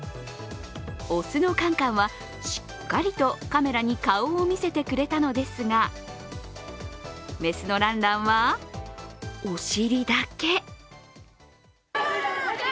雄のカンカンは、しっかりとカメラに顔を見せてくれたのですが雌のランランは、お尻だけ。